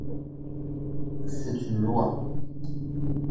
C’est une loi.